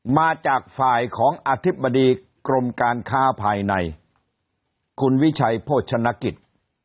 มาจากฝ่ายของอธิบดีกรมการค้าภายในคุณวิชัยโภชนกิจ